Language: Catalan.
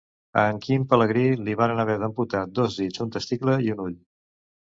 A en Quim Pelegrí li varen haver d'amputar dos dits, un testicle i un ull.